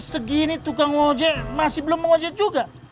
segini tukang ngojek masih belum ngojek juga